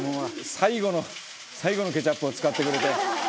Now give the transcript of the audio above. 「最後の最後のケチャップを使ってくれて」